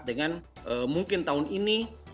dengan mungkin tahun ini